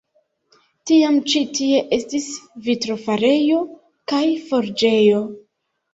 Tiam ĉi tie estis vitrofarejo kaj forĝejo.